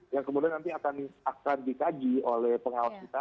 yang kemudian nanti akan dikaji oleh pengawas kita